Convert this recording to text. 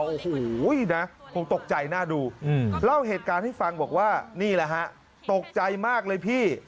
โอ้โหนะคงตกใจน่าดูเล่าเหตุการณ์ให้ฟังบอกว่านี่แหละฮะตกใจมากเลยพี่